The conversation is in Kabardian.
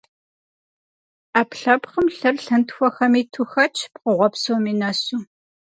Ӏэпкълъэпкъым лъыр лъынтхуэхэм иту хэтщ, пкъыгъуэ псоми нэсу.